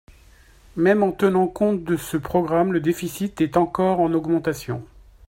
Même en tenant compte de ce programme, le déficit est encore en augmentation.